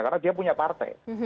karena dia punya partai